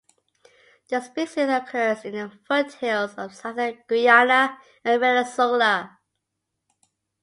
The species occurs in the foothills of southern Guyana and Venezuela.